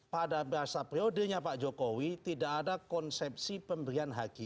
pada masa periodenya pak jokowi tidak ada konsepsi pemberian haji